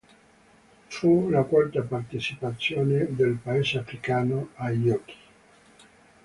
Fu la quarta partecipazione del Paese africano ai Giochi.